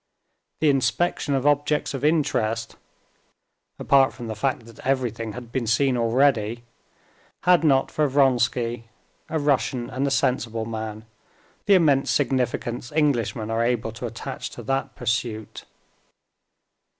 The inspection of objects of interest, apart from the fact that everything had been seen already, had not for Vronsky, a Russian and a sensible man, the immense significance Englishmen are able to attach to that pursuit.